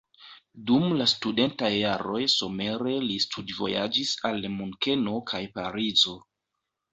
Dum la studentaj jaroj somere li studvojaĝis al Munkeno kaj Parizo.